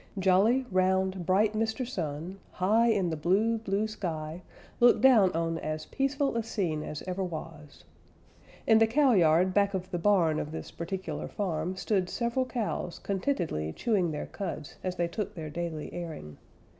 _ Jolly, round, bright Mr. Sun, high in the blue, blue sky, looked down on as peaceful a scene as ever was. In the cowyard back of the barn of this particular farm stood several cows contentedly chewing their cuds as they took their daily airing.